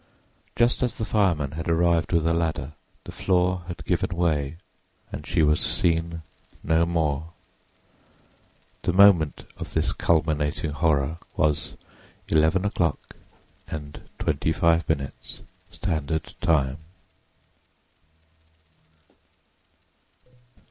Just as the firemen had arrived with a ladder, the floor had given way, and she was seen no more. The moment of this culminating horror was eleven o'clock and twenty five minutes, standard time.